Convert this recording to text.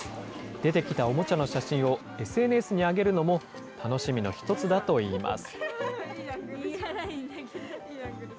出てきたおもちゃの写真をＳＮＳに上げるのも楽しみの一つだといいます。